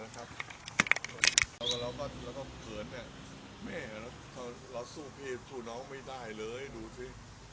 เราก็เขินเนี่ยแม่เราสู้พี่สู้น้องไม่ได้เลยดูสิ